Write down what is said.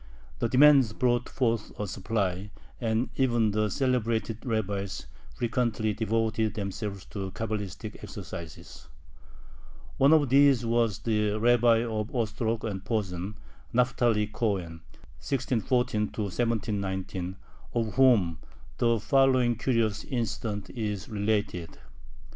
The demand brought forth a supply, and even the celebrated rabbis frequently devoted themselves to Cabalistic exercises. One of these was the Rabbi of Ostrog and Posen, Naphtali Cohen (1640 1719), of whom the following curious incident is related.